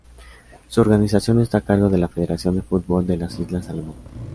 Su organización está a cargo de la Federación de Fútbol de las Islas Salomón.